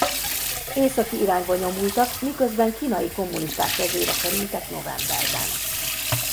Északi irányba nyomultak miközben kínai kommunisták kezére kerültek novemberben.